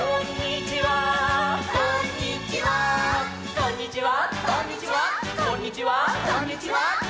「こんにちは」